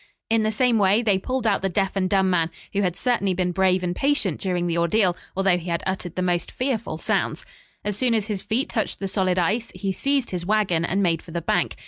In the same way they pulled out the deaf and dumb man, who had certainly been brave and patient during the ordeal, although he had uttered the most fearful sounds. As soon as his feet touched the solid ice, he seized his wagon and made for the bank.